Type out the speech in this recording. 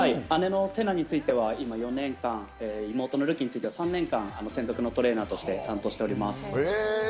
姉のせなについては４年間、妹のるきについては３年間、専属トレーナーとしてついております。